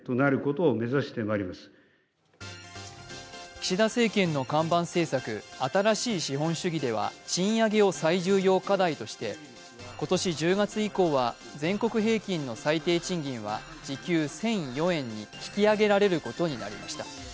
岸田政権の看板政策新しい資本主義では賃上げを最重要課題として今年１０月以降は全国平均の最低賃金は時給１００４円に引き上げられることになりました。